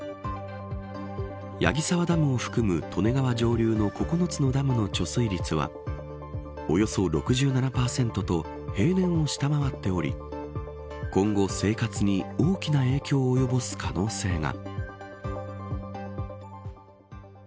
矢木沢ダムを含む利根川上流の９つのダムの貯水率はおよそ６７％と平年を下回っており今後、生活に大きな影響を及ぼす可能性が。